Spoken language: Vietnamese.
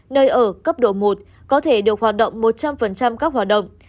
nơi ở cấp độ một có thể được hoạt động một trăm linh các hoạt động